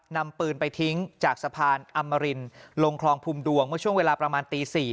นำปืนไปทิ้งจากสะพานอมรินลงคลองพุมดวงเมื่อช่วงเวลาประมาณตี๔